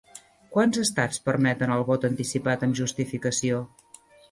Quants estats permeten el vot anticipat amb justificació?